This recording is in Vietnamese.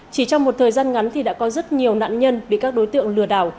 chỉ trong một thời gian ngắn thì đã có rất nhiều nạn nhân bị các đối tượng lừa đảo